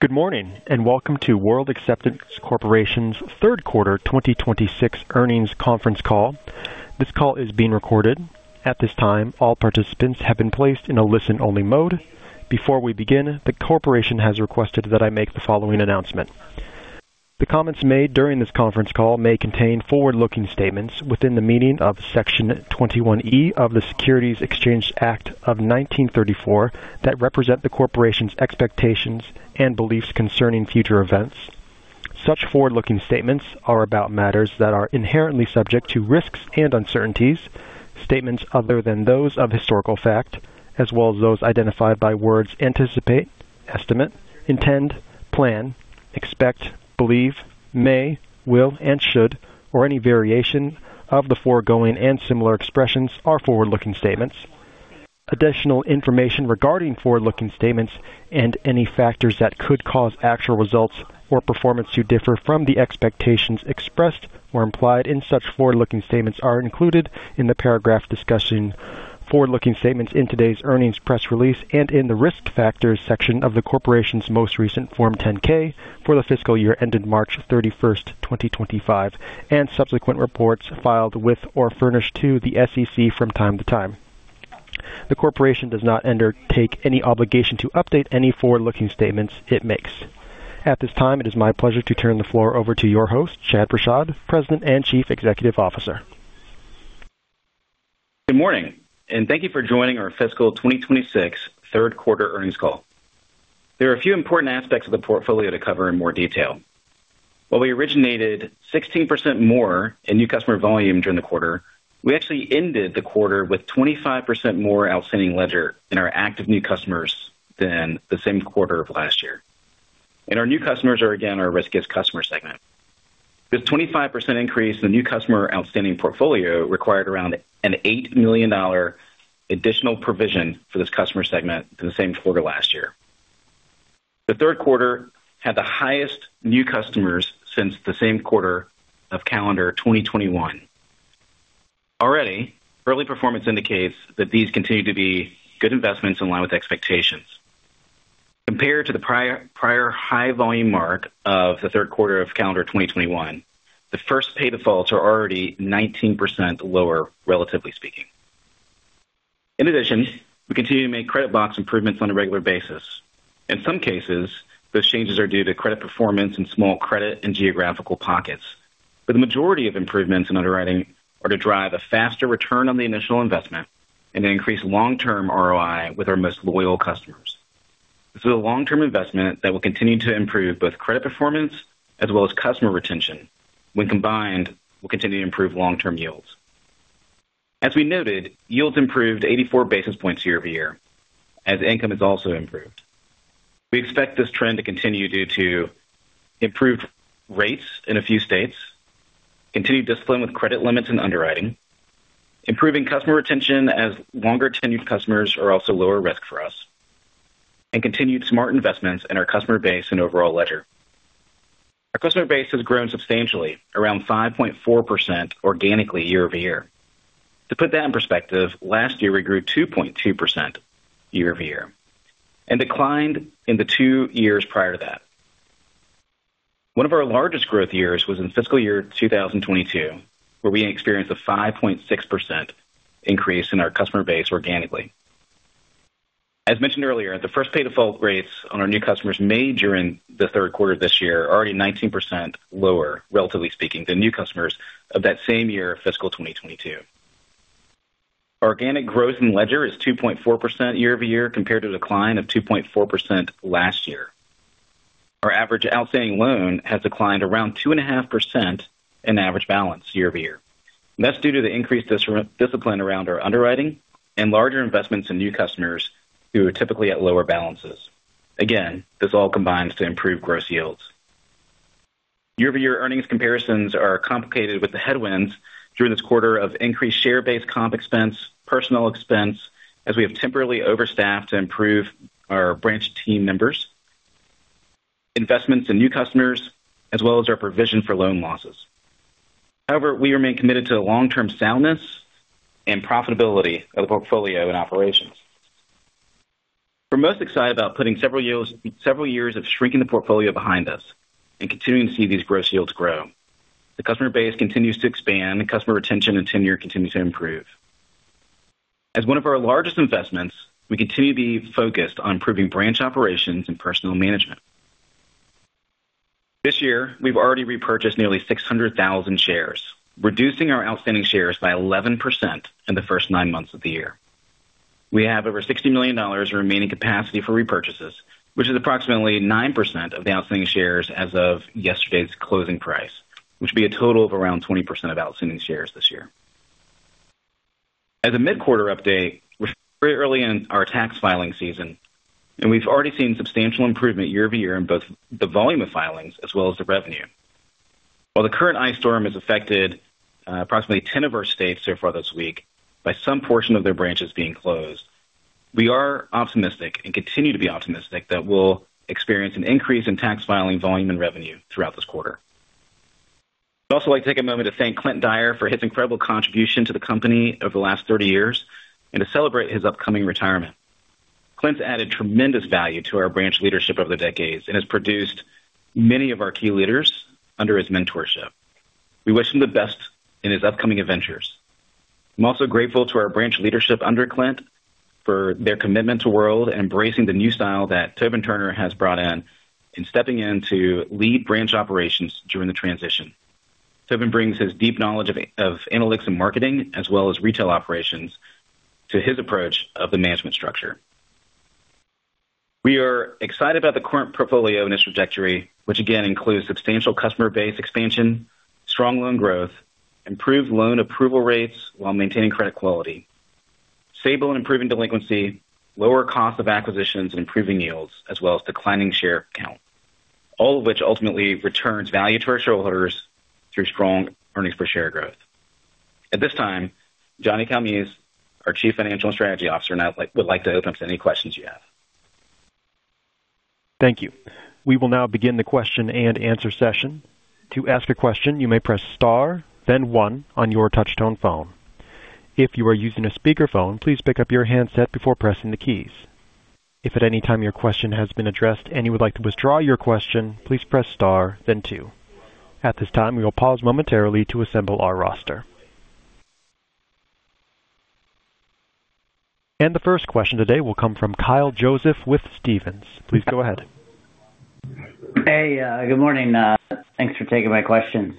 Good morning and welcome to World Acceptance Corporation's Third Quarter 2026 earnings conference call. This call is being recorded. At this time, all participants have been placed in a listen-only mode. Before we begin, the corporation has requested that I make the following announcement. The comments made during this conference call may contain forward-looking statements within the meaning of Section 21E of the Securities Exchange Act of 1934 that represent the corporation's expectations and beliefs concerning future events. Such forward-looking statements are about matters that are inherently subject to risks and uncertainties, statements other than those of historical fact, as well as those identified by words anticipate, estimate, intend, plan, expect, believe, may, will, and should, or any variation of the foregoing and similar expressions are forward-looking statements. Additional information regarding forward-looking statements and any factors that could cause actual results or performance to differ from the expectations expressed or implied in such forward-looking statements are included in the paragraph discussing forward-looking statements in today's earnings press release and in the risk factors section of the corporation's most recent Form 10-K for the fiscal year ended March 31st, 2025, and subsequent reports filed with or furnished to the SEC from time to time. The corporation does not undertake any obligation to update any forward-looking statements it makes. At this time, it is my pleasure to turn the floor over to your host, Chad Prashad, President and Chief Executive Officer. Good morning, and thank you for joining our fiscal 2026 third quarter earnings call. There are a few important aspects of the portfolio to cover in more detail. While we originated 16% more in new customer volume during the quarter, we actually ended the quarter with 25% more outstanding ledger in our active new customers than the same quarter of last year. Our new customers are, again, our riskiest customer segment. This 25% increase in the new customer outstanding portfolio required around an $8 million additional provision for this customer segment in the same quarter last year. The third quarter had the highest new customers since the same quarter of calendar 2021. Already, early performance indicates that these continue to be good investments in line with expectations. Compared to the prior high volume mark of the third quarter of calendar 2021, the first pay defaults are already 19% lower, relatively speaking. In addition, we continue to make credit box improvements on a regular basis. In some cases, those changes are due to credit performance and small credit and geographical pockets. But the majority of improvements and underwriting are to drive a faster return on the initial investment and increase long-term ROI with our most loyal customers. This is a long-term investment that will continue to improve both credit performance as well as customer retention. When combined, we'll continue to improve long-term yields. As we noted, yields improved 84 basis points year-over-year, as income has also improved. We expect this trend to continue due to improved rates in a few states, continued discipline with credit limits and underwriting, improving customer retention as longer-tenured customers are also lower risk for us, and continued smart investments in our customer base and overall ledger. Our customer base has grown substantially, around 5.4% organically year-over-year. To put that in perspective, last year we grew 2.2% year-over-year and declined in the two years prior to that. One of our largest growth years was in fiscal year 2022, where we experienced a 5.6% increase in our customer base organically. As mentioned earlier, the first pay default rates on our new customers made during the third quarter of this year are already 19% lower, relatively speaking, than new customers of that same year, fiscal 2022. Organic growth in ledger is 2.4% year-over-year compared to a decline of 2.4% last year. Our average outstanding loan has declined around 2.5% in average balance year-over-year. That's due to the increased discipline around our underwriting and larger investments in new customers who are typically at lower balances. Again, this all combines to improve gross yields. Year-over-year earnings comparisons are complicated with the headwinds during this quarter of increased share-based comp expense, personnel expense, as we have temporarily overstaffed to improve our branch team members, investments in new customers, as well as our provision for loan losses. However, we remain committed to the long-term soundness and profitability of the portfolio and operations. We're most excited about putting several years of shrinking the portfolio behind us and continuing to see these gross yields grow. The customer base continues to expand and customer retention and tenure continue to improve. As one of our largest investments, we continue to be focused on improving branch operations and personnel management. This year, we've already repurchased nearly 600,000 shares, reducing our outstanding shares by 11% in the first nine months of the year. We have over $60 million remaining capacity for repurchases, which is approximately 9% of the outstanding shares as of yesterday's closing price, which would be a total of around 20% of outstanding shares this year. As a mid-quarter update, we're very early in our tax filing season, and we've already seen substantial improvement year-over-year in both the volume of filings as well as the revenue. While the current ice storm has affected approximately 10 of our states so far this week by some portion of their branches being closed, we are optimistic and continue to be optimistic that we'll experience an increase in tax filing volume and revenue throughout this quarter. I'd also like to take a moment to thank Clint Dyer for his incredible contribution to the company over the last 30 years and to celebrate his upcoming retirement. Clint's added tremendous value to our branch leadership over the decades and has produced many of our key leaders under his mentorship. We wish him the best in his upcoming adventures. I'm also grateful to our branch leadership under Clint for their commitment to World and embracing the new style that Tobin Turner has brought in in stepping in to lead branch operations during the transition. Tobin brings his deep knowledge of analytics and marketing as well as retail operations to his approach of the management structure. We are excited about the current portfolio and its trajectory, which again includes substantial customer base expansion, strong loan growth, improved loan approval rates while maintaining credit quality, stable and improving delinquency, lower costs of acquisitions, and improving yields, as well as declining share count, all of which ultimately returns value to our shareholders through strong earnings per share growth. At this time, John Calmes, our Chief Financial and Strategy Officer, would like to open up to any questions you have. Thank you. We will now begin the question and answer session. To ask a question, you may press star, then one on your touchtone phone. If you are using a speakerphone, please pick up your handset before pressing the keys. If at any time your question has been addressed and you would like to withdraw your question, please press star, then two. At this time, we will pause momentarily to assemble our roster. And the first question today will come from Kyle Joseph with Stephens. Please go ahead. Hey, good morning. Thanks for taking my question.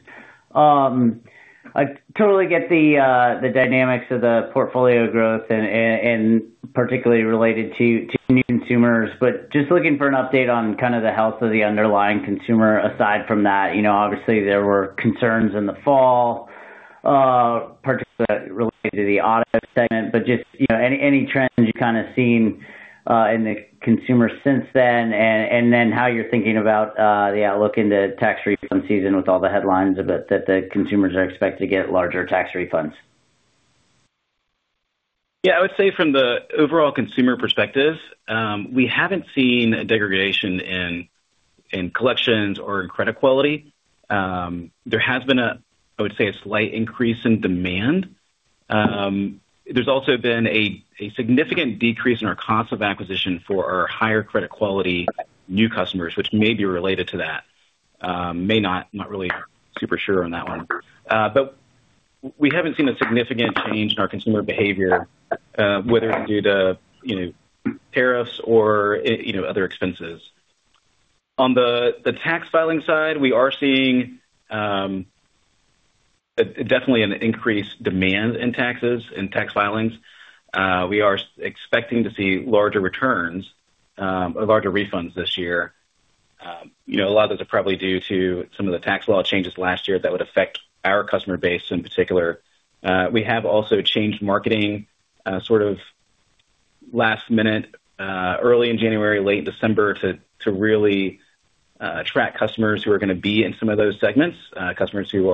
I totally get the dynamics of the portfolio growth and particularly related to new consumers, but just looking for an update on kind of the health of the underlying consumer. Aside from that, obviously, there were concerns in the fall, particularly related to the auto segment, but just any trends you've kind of seen in the consumer since then and then how you're thinking about the outlook into tax refund season with all the headlines that the consumers are expected to get larger tax refunds. Yeah, I would say from the overall consumer perspective, we haven't seen a degradation in collections or in credit quality. There has been, I would say, a slight increase in demand. There's also been a significant decrease in our cost of acquisition for our higher credit quality new customers, which may be related to that. May not, not really super sure on that one. But we haven't seen a significant change in our consumer behavior, whether it's due to tariffs or other expenses. On the tax filing side, we are seeing definitely an increased demand in taxes and tax filings. We are expecting to see larger returns, larger refunds this year. A lot of those are probably due to some of the tax law changes last year that would affect our customer base in particular. We have also changed marketing sort of last minute, early in January, late in December, to really attract customers who are going to be in some of those segments, customers who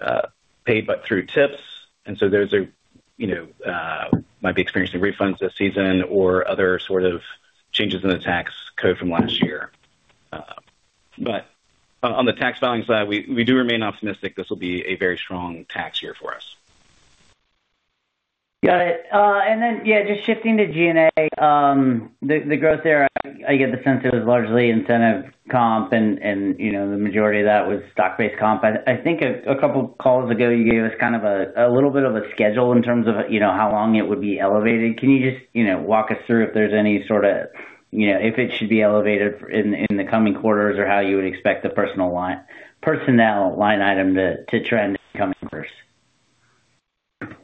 are either paid, but through tips. And so those might be experiencing refunds this season or other sort of changes in the tax code from last year. But on the tax filing side, we do remain optimistic, this will be a very strong tax year for us. Got it. And then, yeah, just shifting to G&A, the growth there, I get the sense it was largely incentive comp, and the majority of that was stock-based comp. I think a couple of calls ago, you gave us kind of a little bit of a schedule in terms of how long it would be elevated. Can you just walk us through if there's any sort of, if it should be elevated in the coming quarters or how you would expect the personnel line item to trend in coming years?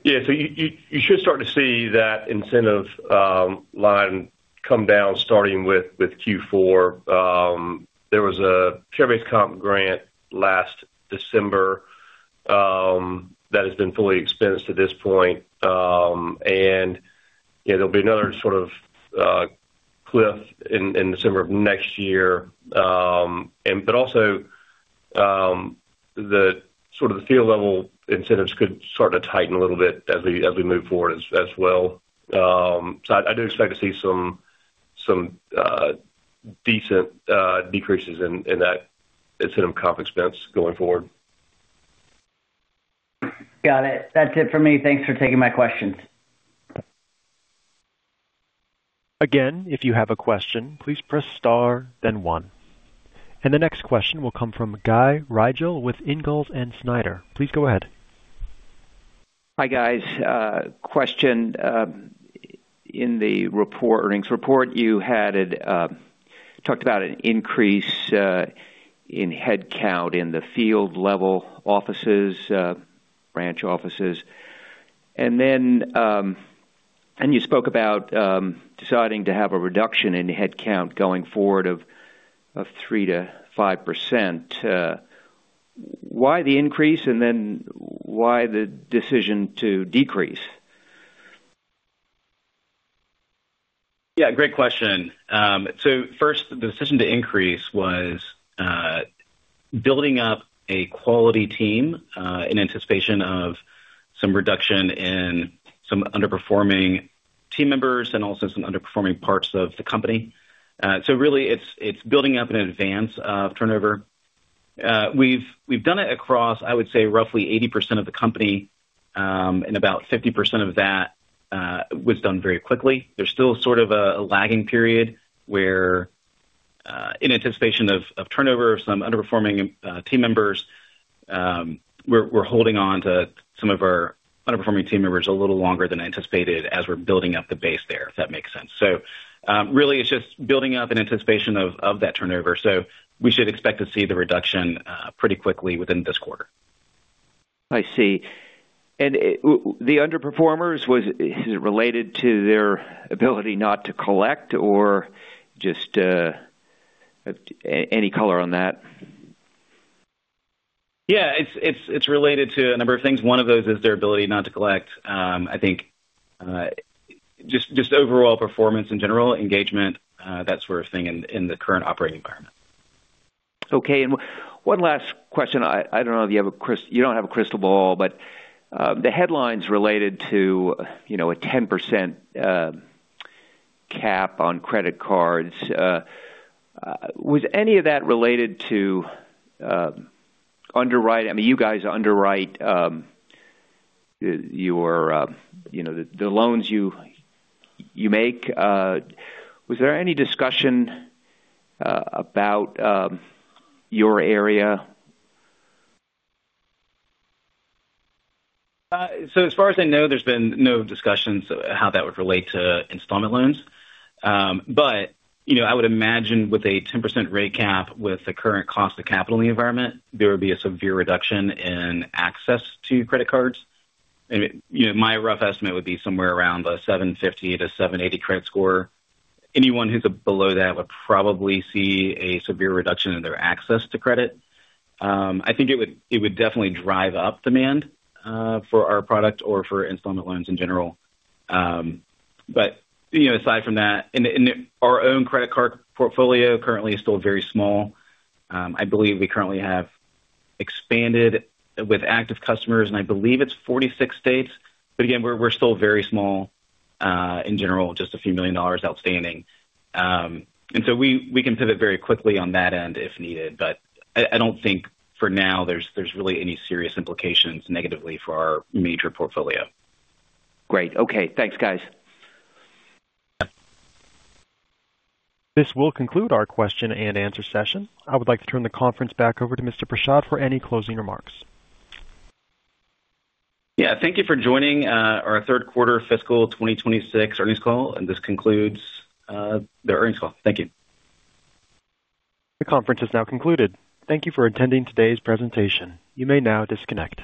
Yeah, so you should start to see that incentive line come down starting with Q4. There was a share-based comp grant last December that has been fully expensed to this point. There'll be another sort of cliff in December of next year. But also, sort of the field-level incentives could start to tighten a little bit as we move forward as well. So I do expect to see some decent decreases in that incentive comp expense going forward. Got it. That's it for me. Thanks for taking my questions. Again, if you have a question, please press star, then one. And the next question will come from Guy Riegel with Ingalls & Snyder. Please go ahead. Hi guys. Question. In the earnings report, you had talked about an increase in headcount in the field-level offices, branch offices. And then you spoke about deciding to have a reduction in headcount going forward of 3%-5%. Why the increase and then why the decision to decrease? Yeah, great question. So first, the decision to increase was building up a quality team in anticipation of some reduction in some underperforming team members and also some underperforming parts of the company. So really, it's building up in advance of turnover. We've done it across, I would say, roughly 80% of the company, and about 50% of that was done very quickly. There's still sort of a lagging period where, in anticipation of turnover of some underperforming team members, we're holding on to some of our underperforming team members a little longer than anticipated as we're building up the base there, if that makes sense. So really, it's just building up in anticipation of that turnover. So we should expect to see the reduction pretty quickly within this quarter. I see. The underperformers, is it related to their ability not to collect or just any color on that? Yeah, it's related to a number of things. One of those is their ability not to collect, I think, just overall performance in general, engagement, that sort of thing in the current operating environment. Okay. And one last question. I don't know if you have a crystal ball, but the headlines related to a 10% cap on credit cards, was any of that related to underwriting? I mean, you guys underwrite the loans you make. Was there any discussion about your area? So as far as I know, there's been no discussions of how that would relate to installment loans. But I would imagine with a 10% rate cap with the current cost of capital in the environment, there would be a severe reduction in access to credit cards. My rough estimate would be somewhere around the 750-780 credit score. Anyone who's below that would probably see a severe reduction in their access to credit. I think it would definitely drive up demand for our product or for installment loans in general. But aside from that, our own credit card portfolio currently is still very small. I believe we currently have expanded with active customers, and I believe it's 46 states. But again, we're still very small in general, just a few $ million outstanding. And so we can pivot very quickly on that end if needed. But I don't think for now there's really any serious implications negatively for our major portfolio. Great. Okay. Thanks, guys. Yeah. This will conclude our question and answer session. I would like to turn the conference back over to Mr. Prashad for any closing remarks. Yeah, thank you for joining our third quarter fiscal 2026 earnings call. This concludes the earnings call. Thank you. The conference is now concluded. Thank you for attending today's presentation. You may now disconnect.